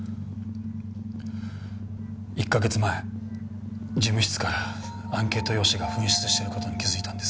１カ月前事務室からアンケート用紙が紛失している事に気づいたんです。